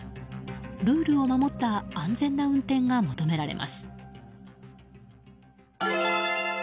ルールを守った安全な運転が求められます。